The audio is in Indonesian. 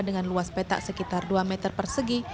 dengan luas petak sekitar dua meter persegi